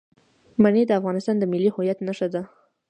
منی د افغانستان د ملي هویت نښه ده.